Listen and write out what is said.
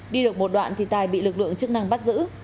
đi được một đoạn thì tài bị lực lượng chức năng bắt giữ